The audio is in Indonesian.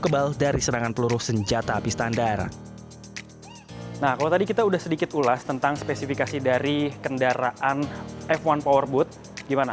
kalau tadi kita sudah sedikit ulas tentang spesifikasi dari kendaraan f satu powerboat gimana